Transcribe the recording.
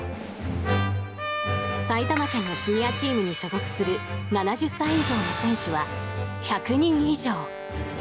埼玉県のシニアチームに所属する７０歳以上の選手は１００人以上。